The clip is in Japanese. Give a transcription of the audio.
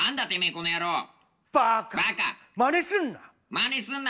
まねすんな！